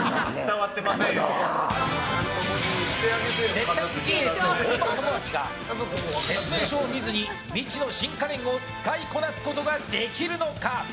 絶対的エース本間朋晃が説明書を未知の新家電を使いこなすことができるのか。